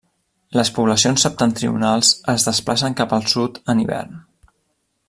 Les poblacions septentrionals es desplacen cap al sud en hivern.